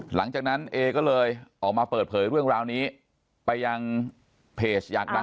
หลังจากนั้นเอก็เลยออกมาเปิดเผยเรื่องราวนี้ไปยังเพจอยากดัง